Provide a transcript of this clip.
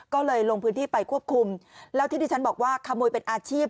ก็เลยลงพื้นที่ไปควบคุมแล้วที่ที่ฉันบอกว่าขโมยเป็นอาชีพ